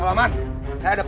aku sudah t shrinksh serat